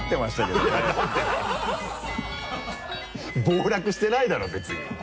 暴落してないだろ別に。